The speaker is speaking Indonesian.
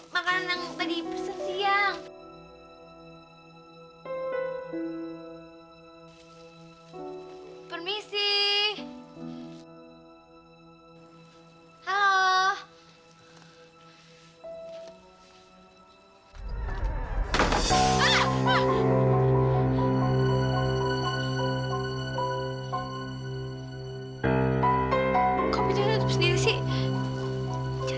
sekarang tuh bukan waktunya